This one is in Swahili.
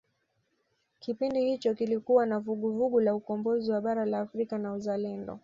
kipindi hicho kulikuwa na vuguvugu la ukombozi wa bara la afrika na uzalendo